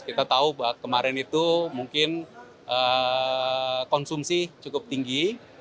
kita tahu bahwa kemarin itu mungkin konsumsi cukup tinggi